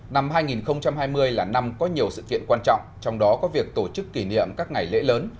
năm hai nghìn hai mươi là năm có nhiều sự kiện quan trọng trong đó có việc tổ chức kỷ niệm các ngày lễ lớn